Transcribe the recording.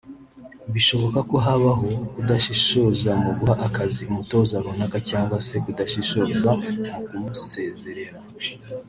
bishoboka ko habaho kudashishoza mu guha akazi umutoza runaka cyangwa se kudashishoza mu kumusezerera